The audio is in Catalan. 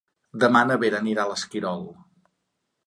Demà na Vera anirà a l'Esquirol.